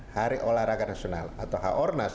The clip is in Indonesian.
hari olahraga nasional atau h o r n a s